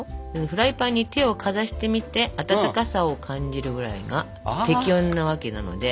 フライパンに手をかざしてみて温かさを感じるぐらいが適温なわけなので。